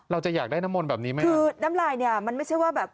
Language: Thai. อื้อเราจะอยากได้น้ำมนแบบนี้ไหมคืณ้ำลายเนี้ยมันไม่ใช่ว่าแบบ